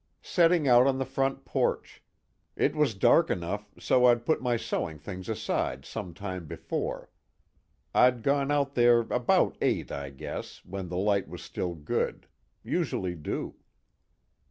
"Setting out on the front porch. It was dark enough so I'd put my sewing things aside some time before. I'd gone out there about eight, I guess, when the light was still good. Usually do."